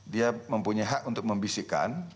dia mempunyai hak untuk membisikkan